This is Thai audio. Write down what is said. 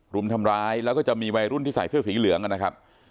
รุมทำร้ายแล้วก็จะมีวัยรุ่นที่ใส่เสื้อสีเหลืองนะครับ